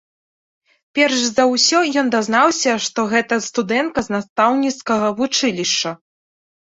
Перш за ўсё ён дазнаўся, што гэта студэнтка з настаўніцкага вучылішча.